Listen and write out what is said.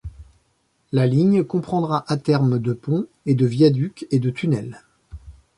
La ligne comprendra à terme de ponts et de viaducs et de tunnels.